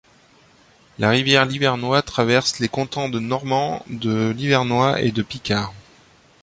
La rivière Livernois traverse les cantons de Normand, de Livernois et de Picard.